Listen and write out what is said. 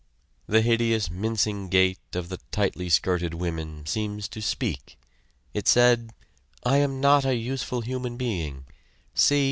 The hideous mincing gait of the tightly skirted women seems to speak. It said: "I am not a useful human being see!